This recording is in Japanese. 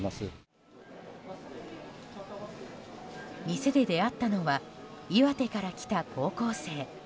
店で出会ったのは岩手から来た高校生。